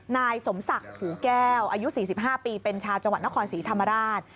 นายสมศักดิ์ผูแก้วอายุ๔๕ปีเป็นชาวจังหวัดนครศรีธรรมราช